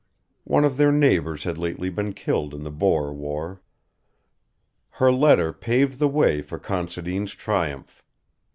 One of their neighbours had lately been killed in the Boer War. Her letter paved the way for Considine's triumph.